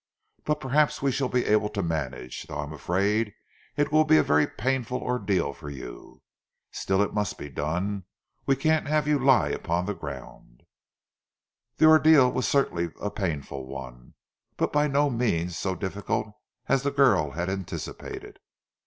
But perhaps we shall be able to manage, though I am afraid it will be a very painful ordeal for you. Still it must be done we can't have you lie upon the ground." The ordeal was certainly a painful one, but by no means so difficult as the girl had anticipated.